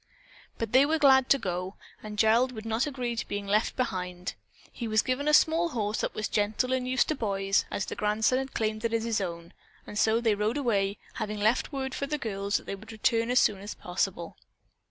But they were glad to go, and Gerald would not agree to being left behind. He was given a small horse that was gentle and used to boys, as the grandson had claimed it as his own, and so they rode away, having left word for the girls that they would return as soon as possible.